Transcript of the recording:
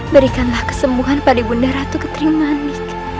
berikanlah kesembuhan pada ibu darah tukun terimani